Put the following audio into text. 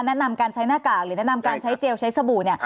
แนะนำการใช้หน้ากากหรือแนะนำการใช้เจลใช้สบู่เนี่ย